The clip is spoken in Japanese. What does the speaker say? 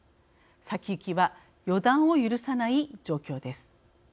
先行きは予断を許さない状況です。